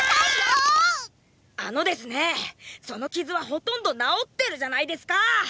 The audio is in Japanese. あのですねーその傷はほとんど治ってるじゃないですかあー！